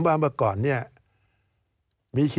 สวัสดีครับทุกคน